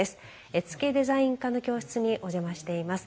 絵付デザイン科の教室にお邪魔しています。